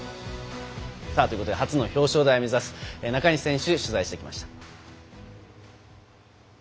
ということで初の表彰台を目指す中西選手取材してきました。